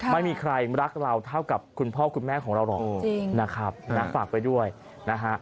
ไม่มีใครรักเราเท่ากับคุณพ่อคุณแม่ของเราหรอกนะครับนะฝากไปด้วยนะฮะ